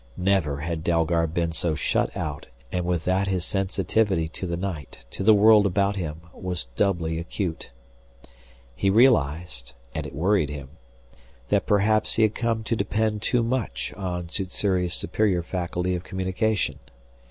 Never had Dalgard been so shut out and with that his sensitivity to the night, to the world about him, was doubly acute. He realized and it worried him that perhaps he had come to depend too much on Sssuri's superior faculty of communication.